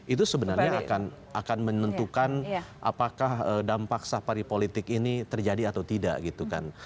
itu sebenarnya akan menentukan apakah dampak safari politik ini terjadi atau tidak gitu kan